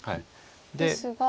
ですが。